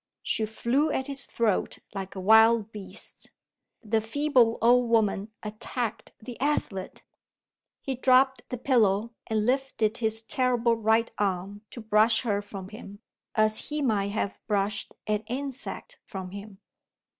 She flew at his throat like a wild beast. The feeble old woman attacked the athlete! He dropped the pillow, and lifted his terrible right arm to brush her from him, as he might have brushed an insect from him.